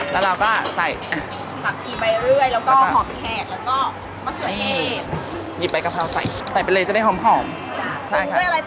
อ๋อแล้วเราก็ใส่ฝับชีไปเรื่อยแล้วก็หักแขก